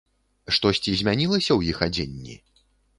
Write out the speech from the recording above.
Штосьці змянілася ў іх адзенні?